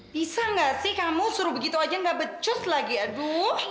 bisa nggak sih kamu suruh begitu aja gak becus lagi aduh